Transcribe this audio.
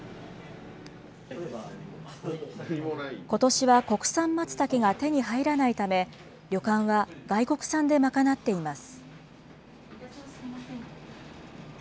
ことしは国産まつたけが手に入らないため、旅館は外国産で賄っています。